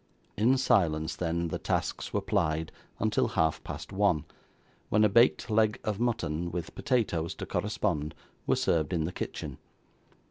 In silence, then, the tasks were plied until half past one, when a baked leg of mutton, with potatoes to correspond, were served in the kitchen.